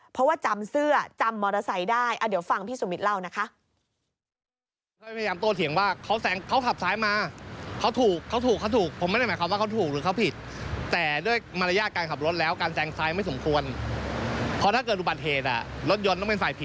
เพราะว่าจำเสื้อจำมอเตอร์ไซค์ได้